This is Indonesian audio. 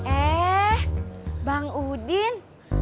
eh bang udin